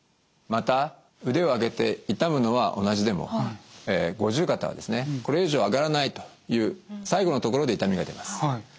また腕を上げて痛むのは同じでも五十肩はですねこれ以上上がらないという最後のところで痛みが出ます。